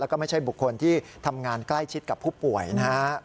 แล้วก็ไม่ใช่บุคคลที่ทำงานใกล้ชิดกับผู้ป่วยนะฮะ